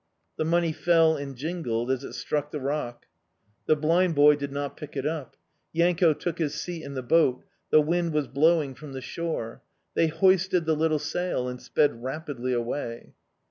The money fell and jingled as it struck the rock. The blind boy did not pick it up. Yanko took his seat in the boat; the wind was blowing from the shore; they hoisted the little sail and sped rapidly away.